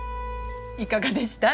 いかがでした？